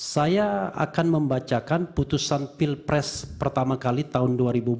saya akan membacakan putusan pilpres pertama kali tahun dua ribu empat belas